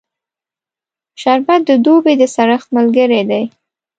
شربت د دوبی د سړښت ملګری دی